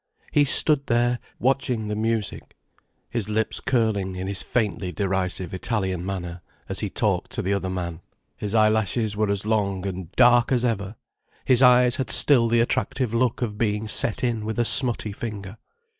He stood there, watching the music, his lips curling in his faintly derisive Italian manner, as he talked to the other man. His eyelashes were as long and dark as ever, his eyes had still the attractive look of being set in with a smutty finger.